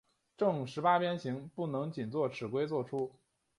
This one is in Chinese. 正十八边形不能仅用尺规作出。